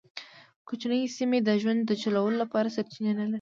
کوچنۍ سیمې د ژوند د چلولو لپاره سرچینې نه لرلې.